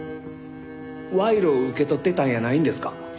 賄賂を受け取っていたんやないんですか？